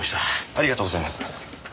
ありがとうございます。